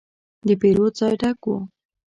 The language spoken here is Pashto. د پیرود ځای ډک و.